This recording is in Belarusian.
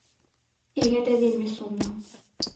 І гэта вельмі сумна.